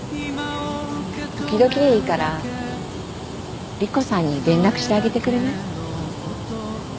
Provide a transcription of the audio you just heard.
時々でいいから莉湖さんに連絡してあげてくれない？